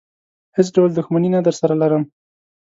هېڅ ډول دښمني نه درسره لرم.